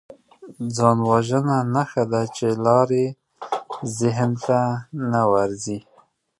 ځانوژنه نښه ده چې لارې ذهن ته نه ورځي